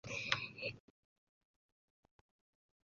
Tie li surprize mortis sekve de apopleksio.